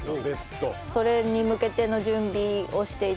それに向けての準備をしていて。